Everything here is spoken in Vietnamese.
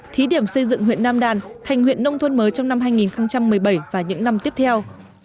thí điểm xây dựng huyện nam đàn thành huyện nông thôn mới trong năm hai nghìn một mươi bảy và những năm tiếp theo